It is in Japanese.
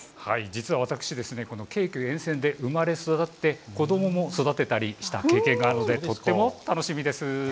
実は私、京急沿線で生まれ育って子どもも育てたりした経験があるのでとっても楽しみです。